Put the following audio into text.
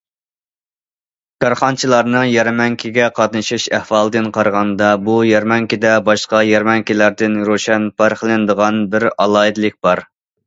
كارخانىچىلارنىڭ يەرمەنكىگە قاتنىشىش ئەھۋالىدىن قارىغاندا، بۇ يەرمەنكىدە باشقا يەرمەنكىلەردىن روشەن پەرقلىنىدىغان بىر ئالاھىدىلىك بار.